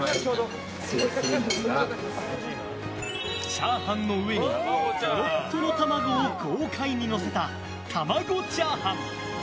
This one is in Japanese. チャーハンの上にとろっとろ卵を豪快にのせた玉子炒飯。